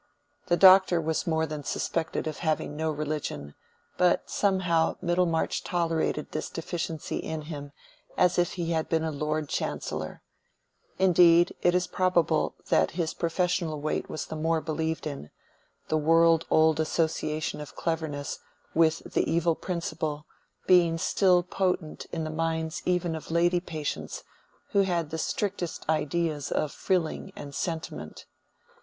The Doctor was more than suspected of having no religion, but somehow Middlemarch tolerated this deficiency in him as if he had been a Lord Chancellor; indeed it is probable that his professional weight was the more believed in, the world old association of cleverness with the evil principle being still potent in the minds even of lady patients who had the strictest ideas of frilling and sentiment.